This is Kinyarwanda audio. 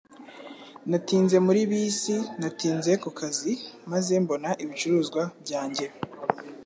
Natinze muri bisi, natinze ku kazi, maze mbona ibicuruzwa byanjye.